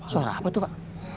suara apa tuh pak